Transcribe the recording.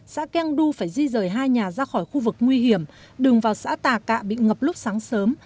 xã keng du phải di rời hai nhà ra khỏi khu vực nguy hiểm đường vào xã tà cạ bị ngập lúc sáng sớm